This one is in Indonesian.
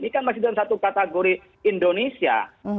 ini kan masih dalam satu kategori indonesia